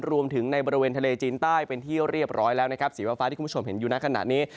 ในบริเวณทะเลจีนใต้เป็นที่เรียบร้อยแล้วนะครับสีฟ้าที่คุณผู้ชมเห็นอยู่ในขณะนี้